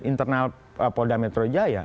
internal polda metro jaya